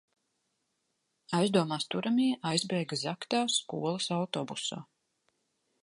Aizdomās turamie aizbēga zagtā skolas autobusā.